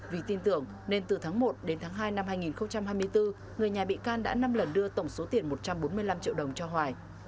vì tin tưởng nên từ tháng một đến tháng hai năm hai nghìn hai mươi bốn người nhà bị can đã năm lần đưa tổng số tiền một trăm bốn mươi năm triệu đồng cho hoài